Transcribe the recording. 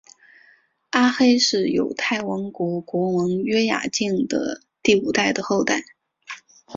阿黑是犹大王国国王约雅敬的第五代的后代。